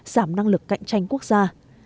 giảm năng lực cạnh tranh quốc gia